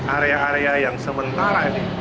area area yang sementara ini